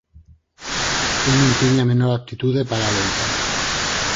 Eu non tiña a menor aptitude para a loita.